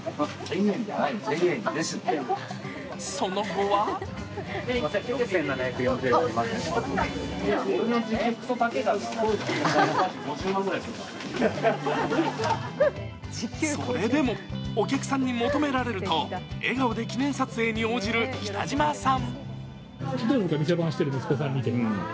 その後はそれでもお客さんに求められると、笑顔で記念撮影に応じる北島さん。